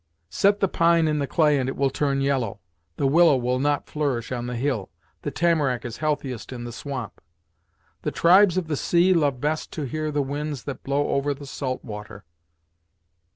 Set the pine in the clay and it will turn yellow; the willow will not flourish on the hill; the tamarack is healthiest in the swamp; the tribes of the sea love best to hear the winds that blow over the salt water.